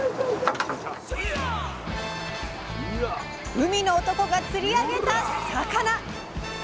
海の男が釣り上げた魚！